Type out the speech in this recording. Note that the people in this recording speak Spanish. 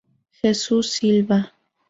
Jesús Silva